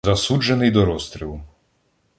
Засуджений до розстрілу.